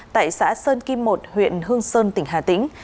tại xã sơn kim một huyện hương sơn tỉnh hà tĩnh